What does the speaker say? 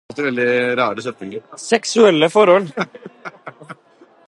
seksuelle forhold